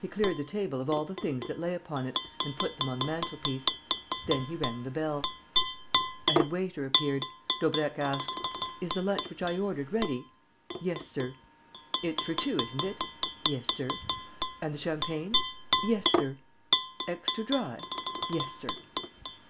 He cleared the table of all the things that lay upon it and put them on the mantel piece. Then he rang the bell. A head waiter appeared. Daubrecq asked: "Is the lunch which I ordered ready?" "Yes, sir." "It's for two, isn't it?" "Yes, sir." "And the champagne?" "Yes, sir." "Extra dry?" "Yes, sir."